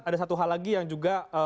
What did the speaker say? ada satu hal lagi yang juga